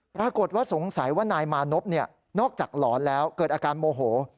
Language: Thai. ปรากฏว่าสงสัยว่านายมานพนอกจากหลอนแล้วเกิดอาการโมโห